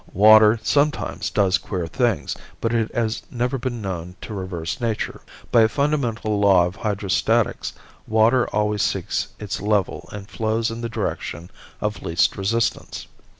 Water sometimes does queer things, but it has never been known to reverse nature. By a fundamental law of hydrostatics water always seeks its level and flows in the direction of least resistance.